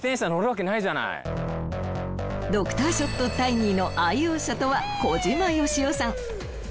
ドクターショットタイニーの愛用者とは小島よしおさん。